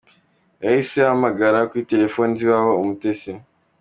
Yahise ahamagara kuri telefoni z’iwabo w’Umutesi.